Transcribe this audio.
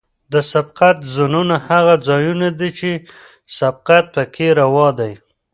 د سبقت زونونه هغه ځایونه دي چې سبقت پکې روا دی